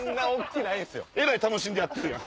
えらい楽しんでやってるやん。